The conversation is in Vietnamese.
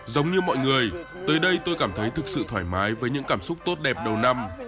giống như mọi người tới đây tôi cảm thấy thực sự thoải mái với những cảm xúc tốt đẹp đầu năm